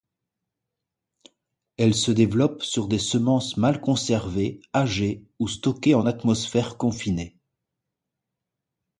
Elles se développent sur des semences mal conservées, âgées ou stockées en atmosphère confinée.